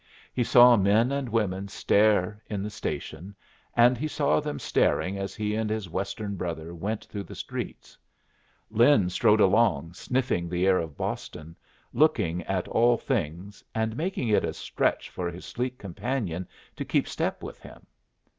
He saw men and women stare in the station, and he saw them staring as he and his Western brother went through the streets. Lin strode along, sniffing the air of Boston, looking at all things, and making it a stretch for his sleek companion to keep step with him.